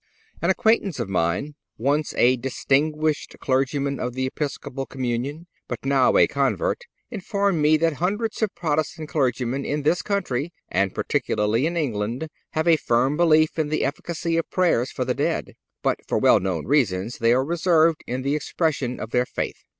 An acquaintance of mine, once a distinguished clergyman of the Episcopal communion, but now a convert, informed me that hundreds of Protestant clergymen in this country, and particularly in England, have a firm belief in the efficacy of prayers for the dead, but for well known reasons they are reserved in the expression of their faith.